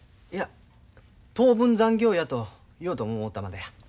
いや当分残業やと言おうと思たまでや。